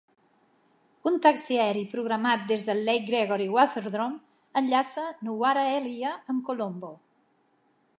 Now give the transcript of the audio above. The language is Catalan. Un taxi aeri programat des del Lake Gregory Waterdrome enllaça Nuwara Eliya amb Colombo.